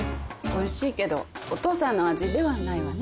おいしいけどお父さんの味ではないわね。